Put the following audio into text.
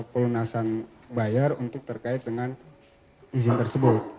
pelunasan bayar untuk terkait dengan izin tersebut